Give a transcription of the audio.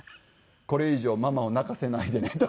「これ以上ママを泣かせないでね」と。